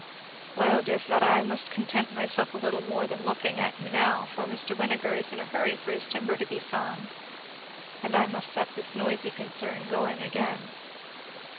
"Well, dear Fleda, I must content myself with little more than looking at you now, for Mr. Winegar is in a hurry for his timber to be sawn, and I must set this noisy concern a going again."